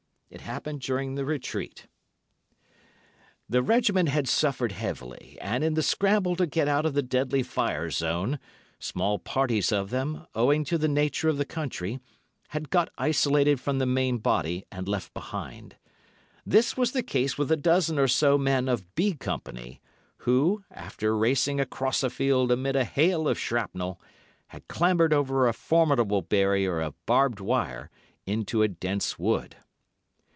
It happened during the retreat from N——. The O——'s had suffered heavily, and, in the scramble to get out of the deadly fire zone, small parties of them, owing to the nature of the country, had got isolated from the main body and left behind. This was the case with a dozen or so men of B Company, who, after racing across a field amid a hail of shrapnel, had clambered over a formidable barrier of barbed wire into a dense wood.